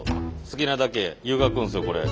好きなだけ湯がくんですよこれ。